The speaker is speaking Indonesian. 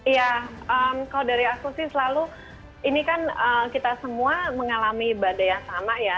iya kalau dari aku sih selalu ini kan kita semua mengalami badai yang sama ya